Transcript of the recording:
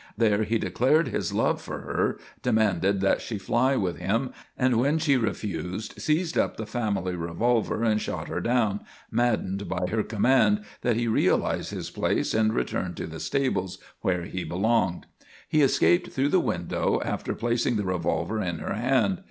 There he declared his love for her, demanded that she fly with him, and when she refused seized up the family revolver and shot her down, maddened by her command that he realise his place and return to the stables where he belonged. He escaped through the window after placing the revolver in her hand.